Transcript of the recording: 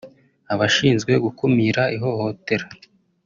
abashinzwe gukumira ihohotera